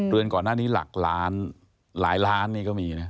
เดือนก่อนหน้านี้หลักล้านหลายล้านนี่ก็มีนะ